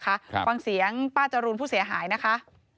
ครับฟังเสียงป้าจรูนผู้เสียหายนะคะ